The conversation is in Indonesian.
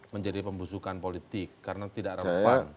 menjadi pembusukan politik karena tidak relevan